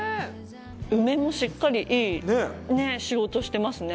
梅も、しっかりいい仕事してますね。